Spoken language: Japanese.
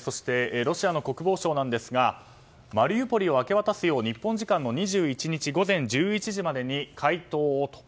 そして、ロシアの国防省ですがマリウポリを明け渡すよう日本時間の２１日午前１１時までに回答をと。